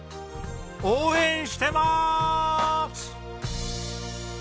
応援してまーす！